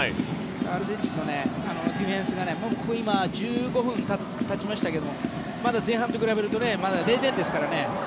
アルゼンチンのディフェンスがここ、１５分たちましたけど前半と比べるとまだ０点ですからね。